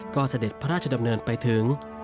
ก็เสด็จพระราชดำเนินไปถึง